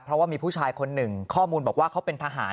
เพราะว่ามีผู้ชายคนหนึ่งข้อมูลบอกว่าเขาเป็นทหาร